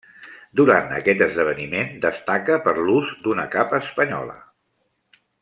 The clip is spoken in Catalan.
Durant aquest esdeveniment destaca per l'ús d'una capa espanyola.